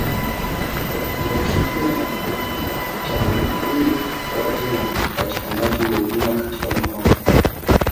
kufuatilia na kutathimini utoaji na upatikanaji wa huduma katika mikoa